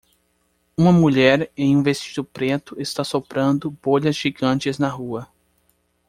Uma mulher em um vestido preto está soprando bolhas gigantes na rua.